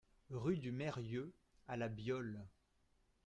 Route du Meyrieux à La Biolle